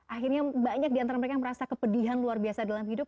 akhirnya banyak diantara mereka yang merasa kepedihan luar biasa dalam hidup